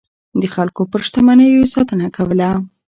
د خلکو پر شتمنيو يې ساتنه کوله.